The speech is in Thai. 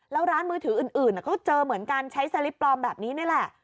แล้วร้านมือถืออื่นก็เจอเหมือนกันใช้สลิปปลอมแบบนี้นี่แหละ